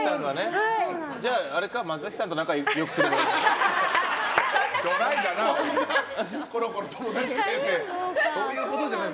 じゃあ、松崎さんと仲良くすればいい。